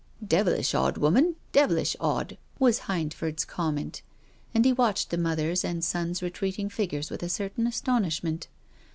" Devilish odd woman, devilish odd !" was Hindford's comment. And he watched the mother's and son's retreating figures with a certain astonishment.